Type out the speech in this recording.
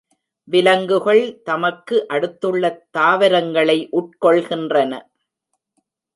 விலங்குகள் தமக்கு அடுத்துள்ள தாவரங்களை உட்கொள்கின்றன.